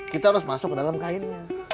kita harus masuk ke dalam kainnya